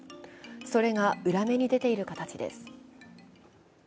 それが裏目に出ている形です。